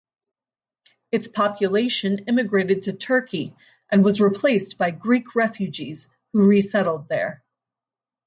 Its population emigrated to Turkey and was replaced by Greek refugees who resettled there.